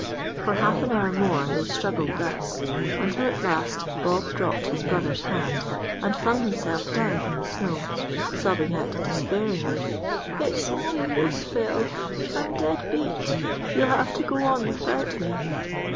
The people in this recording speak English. For half an hour more they struggled thus, until at last Bob dropped his brother's hand and flung himself down in the snow, sobbing out despairingly,— "It's no use, Phil, I'm dead beat; you'll have to go on without me."